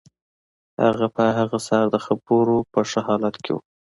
هغه په هغه سهار د خبرو په ښه حالت کې و